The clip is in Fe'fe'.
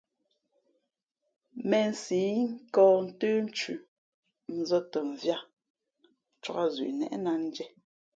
Měnsǐ nkᾱᾱ ntə́nthʉ̄, nzᾱ tα mviāt , ncāk zʉʼnnéʼnā ndiē.